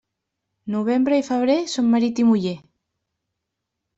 Novembre i febrer són marit i muller.